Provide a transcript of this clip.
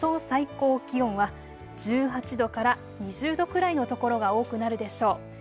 最高気温は１８度から２０度くらいの所が多くなるでしょう。